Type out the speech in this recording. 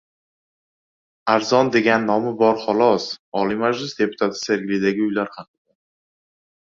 «Arzon degan nomi bor, xolos...» Oliy Majlis deputati Sergelidagi uylar haqida